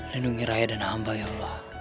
lindungi rai dan abah ya allah